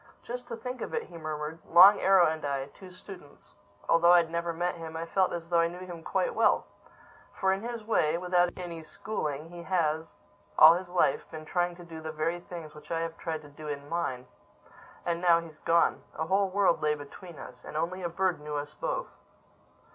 "Just to think of it!" he murmured. "Long Arrow and I, two students—Although I'd never met him, I felt as though I knew him quite well. For, in his way—without any schooling—he has, all his life, been trying to do the very things which I have tried to do in mine—And now he's gone!—A whole world lay between us—And only a bird knew us both!"